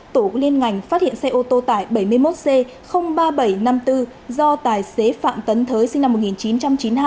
tổ liên ngành phát hiện xe ô tô tải bảy mươi một c ba nghìn bảy trăm năm mươi bốn do tài xế phạm tấn thới sinh năm một nghìn chín trăm chín mươi hai